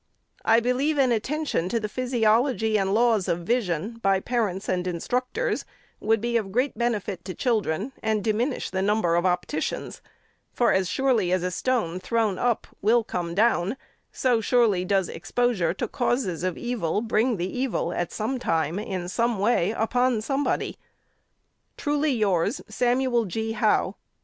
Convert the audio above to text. I believe an attention to the physiology and laws of vision, by parents and instructors, would be of great benefit to children, and diminish the number of opticians : for as surely as a stone thrown up will come, down, so surely does exposure to causes of evil bring the evil, at some time, in some way, upon somebody. Truly yours, SAMUICI, G. HOWH.